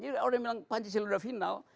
jadi orang bilang pancasila udah final